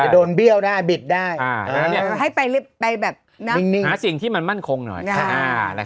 โดนเบี้ยวหน้าบิดได้หาสิ่งที่มันมั่นขงหน่อย